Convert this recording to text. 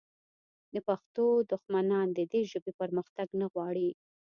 د پښتنو دښمنان د دې ژبې پرمختګ نه غواړي